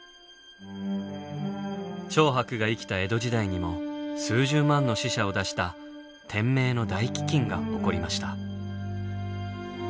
長伯が生きた江戸時代にも数十万の死者を出した「天明の大飢饉」が起こりました。